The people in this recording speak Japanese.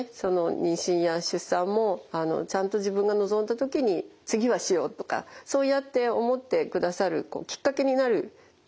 妊娠や出産もちゃんと自分が望んだ時に次はしようとかそうやって思ってくださるきっかけになると私は思います。